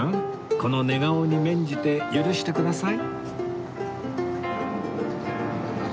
この寝顔に免じて許してください